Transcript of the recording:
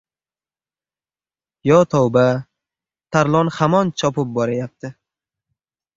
Yo, tavba, Tarlon hamon chopib borayapti.